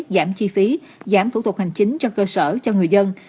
giảm chi phí giảm thủ tục hành chính cho cơ sở cho người dân